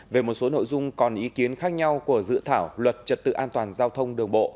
về một số nội dung còn ý kiến khác nhau của dự thảo luật trật tự an toàn